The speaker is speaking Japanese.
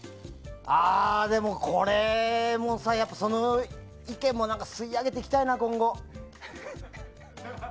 でもこれもさ、その意見も吸い上げていきたいな、今後。